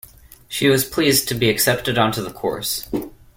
She was pleased to be accepted onto the course